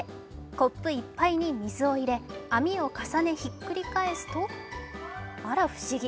コップいっぱいに水を入れ網を重ねひっくり返すとあら不思議